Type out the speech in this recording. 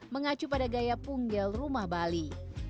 mengacu pada gaya punggel rumah bali